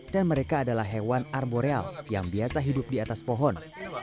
dan mereka adalah hewan arboreal yang biasa hidup di atas pohon